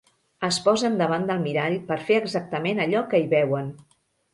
Es posen davant del mirall per fer exactament allò que hi veuen.